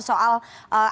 soal adanya sasaran